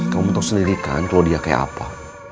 kamu tahu sendiri kan kalau dia kayak apa